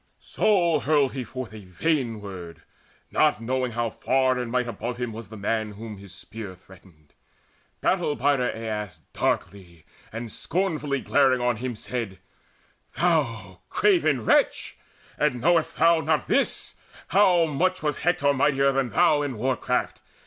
So hurled he forth a vain word, knowing not How far in might above him was the man Whom his spear threatened. Battle bider Aias Darkly and scornfully glaring on him, said "Thou craven wretch, and knowest thou not this, How much was Hector mightier than thou In war craft?